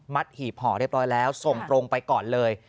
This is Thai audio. หีบห่อเรียบร้อยแล้วส่งตรงไปก่อนเลย